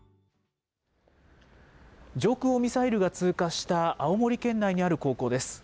上空をミサイルが通過した青森県内にある高校です。